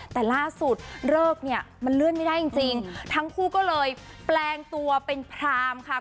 แต่ล่าสุดเลิกเนี่ยมันเลื่อนไม่ได้จริงจริงทั้งคู่ก็เลยแปลงตัวเป็นพรามค่ะ